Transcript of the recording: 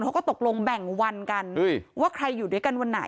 เขาก็ตกลงแบ่งวันกันว่าใครอยู่ด้วยกันวันไหน